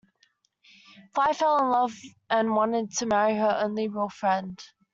Fei fell in love and wanted to marry her only real friend.